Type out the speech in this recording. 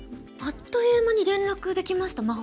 あっという間に連絡できました